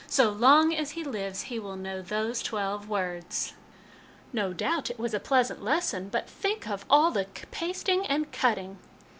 So long as he lives he will know those twelve words/' " No doubt it was a pleasant lesson ; but, think of all the pasting and cutting